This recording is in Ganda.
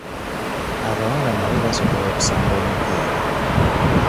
Abawala nabo basobola okusamba omupiira.